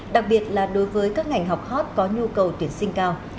đặc biệt là đối với các ngành học hot có nhu cầu tuyển sinh cao